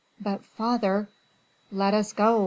"But father...." "Let us go!"